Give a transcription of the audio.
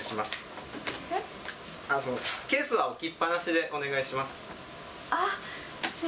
ケースは置きっぱなしでお願いします。